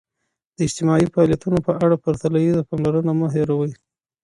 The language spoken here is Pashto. د اجتماعي فعالیتونو په اړه پرتلیزه پاملرنه مه هېروئ.